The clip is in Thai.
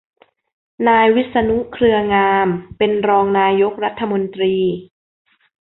นายวิษณุ เครืองาม เป็นรองนายกรัฐมนตรี